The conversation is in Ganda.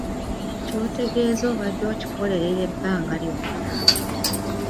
Ky'otegeeza obadde okikolerera ebbanga lyonna?